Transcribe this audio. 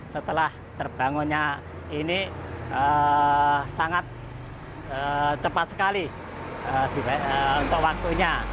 setelah terbangunnya ini sangat cepat sekali untuk waktunya